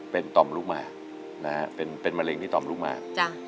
เป็นต่อมลูกมากนะฮะเป็นมะเร็งที่ต่อมลูกมาก